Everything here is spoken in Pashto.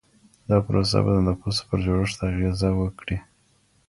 دا پروسه به د نفوسو پر جوړښت اغېزه وکړي.